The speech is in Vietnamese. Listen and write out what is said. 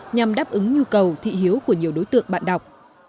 nhằm đáp ứng nhu cầu thị hiếu của nhiều đối tượng bạn đọc